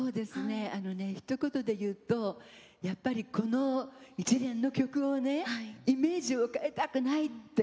ひと言でいうとやっぱり、この一連の曲をイメージを変えたくないって。